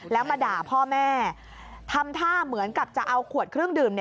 แล้วมาด่าพ่อแม่ทำท่าเหมือนกับจะเอาขวดเครื่องดื่ม